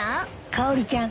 かおりちゃん